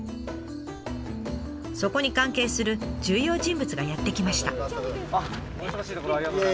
そこに関係する重要人物がやって来ました。